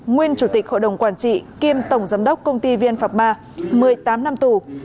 nguyên chủ tịch hội đồng quản trị kiêm tổng giám đốc công ty vn phạc ba một mươi tám năm tù